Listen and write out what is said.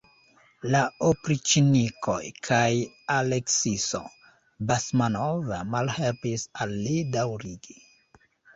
La opriĉnikoj kaj Aleksiso Basmanov malhelpis al li daŭrigi.